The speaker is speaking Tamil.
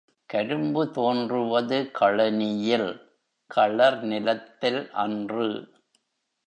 கரும்பு தோன்றுவது கழனியில், களர் நிலத்தில் அன்று.